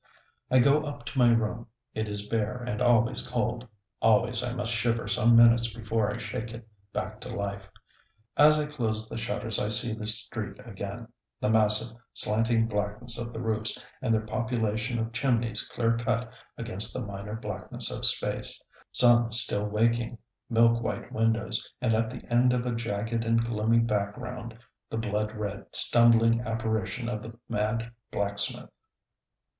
I go up to my room. It is bare and always cold; always I must shiver some minutes before I shake it back to life. As I close the shutters I see the street again; the massive, slanting blackness of the roofs and their population of chimneys clear cut against the minor blackness of space; some still waking, milk white windows; and, at the end of a jagged and gloomy background, the blood red stumbling apparition of the mad blacksmith.